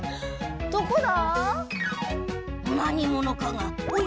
どこだ？